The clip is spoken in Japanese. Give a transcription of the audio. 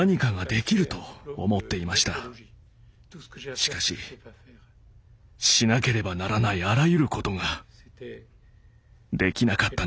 しかししなければならないあらゆることができなかったのです。